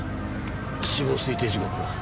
死亡推定時刻は？